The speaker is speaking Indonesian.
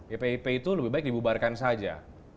epip itu lebih baik dibubarkan saja